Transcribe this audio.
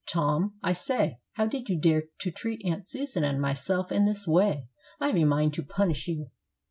Tom, I say, how did you dare to treat Aunt Susan and myself in this way? I have a mind to punish you."